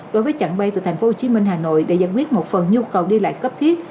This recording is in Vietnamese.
đối với chặng bay từ tp hcm hà nội để giải quyết một phần nhu cầu đi lại cấp thiết